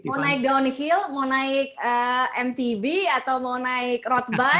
mau naik downhill mau naik mtb atau mau naik road bike